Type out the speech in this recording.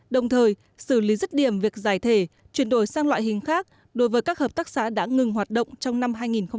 đồng thời xử lý rứt điểm việc giải thể chuyển đổi sang loại hình khác đối với các hợp tác xã đã ngừng hoạt động trong năm hai nghìn một mươi chín